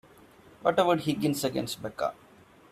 What about Higgins against Becca?